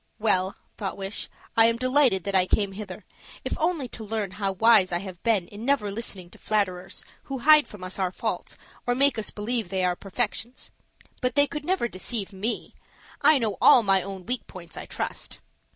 "Well," thought Wish, "I am delighted that I came hither, if only to learn how wise I have been in never listening to flatterers, who hide from us our faults, or make us believe they are perfections. But they could never deceive me. I know all my own weak points, I trust."